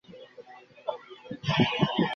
তিনি স্বাভাবিকভাবেই তাদের প্রধান লক্ষ্য হয়ে উঠতেন।